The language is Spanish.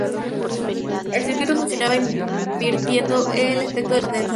El circuito funciona invirtiendo el efecto del condensador.